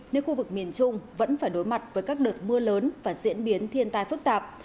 nếu khu vực miền trung vẫn phải đối mặt với các đợt mưa lớn và diễn biến thiên tai phức tạp